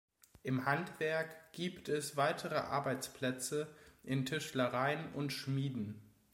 Im Handwerk gibt es weitere Arbeitsplätze in Tischlereien und Schmieden.